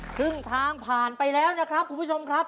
ครึ่งทางผ่านไปแล้วนะครับคุณผู้ชมครับ